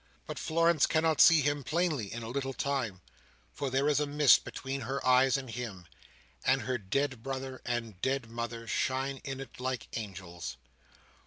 But Florence cannot see him plainly, in a little time, for there is a mist between her eyes and him, and her dead brother and dead mother shine in it like angels.